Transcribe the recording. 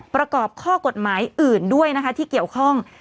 ประกอบข้อกฎหมายอื่นด้วยนะคะที่เกี่ยวข้อง